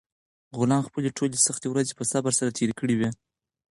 غلام خپلې ټولې سختې ورځې په صبر سره تېرې کړې وې.